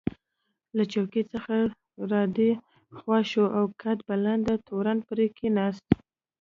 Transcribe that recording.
له څوکۍ څخه را دې خوا شو او قد بلنده تورن پرې کېناست.